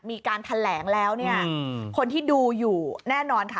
มีการแถลงแล้วเนี่ยคนที่ดูอยู่แน่นอนค่ะ